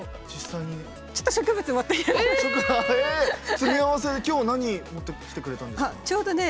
つめ合わせで今日何持ってきてくれたんですか？